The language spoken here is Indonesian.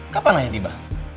kapan aja tiba